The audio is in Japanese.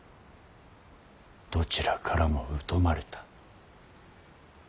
どちらからも疎まれた。